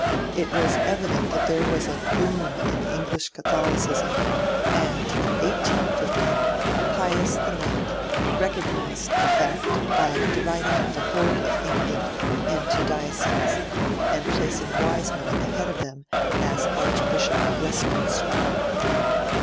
It was evident that there was a 'boom' in English Catholicism, and, in 1850, Pius IX recognised the fact by dividing up the whole of England into dioceses, and placing Wiseman at the head of them as Archbishop of Westminster.